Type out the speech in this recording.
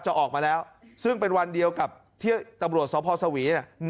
จะออกมาแล้วซึ่งเป็นวันเดียวกับที่ตำรวจสพสวีเนี่ย